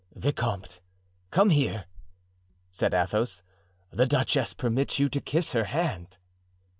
"Vicomte, come here," said Athos; "the duchess permits you to kiss her hand."